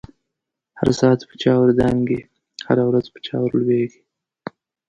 هر ساعت په چاور دانګی، هزه ورځ په چا ور لويږی